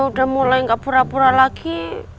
udah mulai nggak pura pura lagi